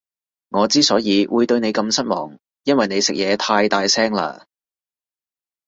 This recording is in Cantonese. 我之所以會對你咁失望，因為你食嘢太大聲喇